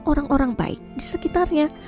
orang orang baik di sekitarnya